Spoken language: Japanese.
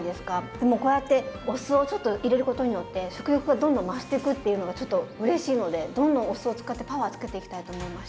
でもこうやってお酢をちょっと入れることによって食欲がどんどん増してくっていうのがちょっとうれしいのでどんどんお酢を使ってパワーつけていきたいと思いました。